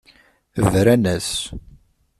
Bran-as.